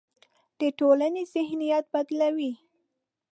د ټولنې ذهنیت بدلوي.